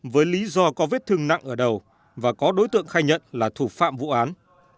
với lý do có vết thương nặng ở đầu và có đối tượng khai nhận là thủ phạm vụ án